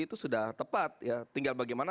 itu sudah tepat ya tinggal bagaimana